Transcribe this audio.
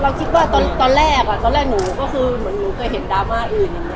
คิดว่าตอนแรกอ่ะตอนแรกหนูก็คือเหมือนหนูเคยเห็นดราม่าอื่น